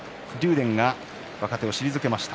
電が若手を退けました。